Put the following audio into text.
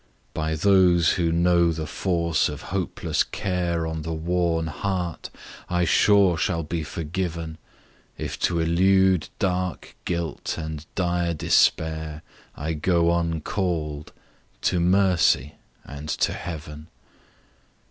By those who know the force of hopeless care On the worn heart I sure shall be forgiven, If to elude dark guilt, and dire despair, I go uncall'd to mercy and to heaven!